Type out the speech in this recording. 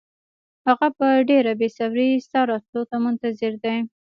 هغه په ډېره بې صبرۍ ستا راتلو ته منتظر دی.